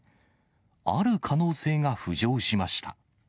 ある可能性が浮上しました。